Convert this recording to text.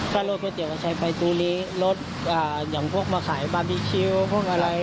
ถ้ารถก๋วยเตี๋ยวก็ใช้ไฟตู้นี้รถอย่างพวกมาขายบาร์บีคิวพวกอะไร